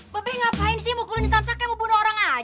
babe ngapain sih mukul ini samsaknya mau bunuh orang aja